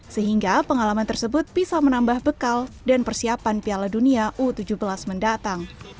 sehingga pengalaman tersebut bisa menambah bekal dan persiapan piala dunia u tujuh belas mendatang